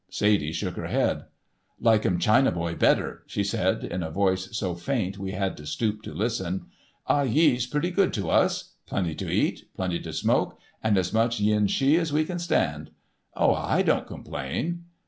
Sadie shook her head. "Like um China boy better," she said, in a voice so faint we had to stoop to listen. "Ah Yee's pretty good to us—plenty to eat, plenty to smoke, and as much yen shee as we can stand. Oh, I don't complain."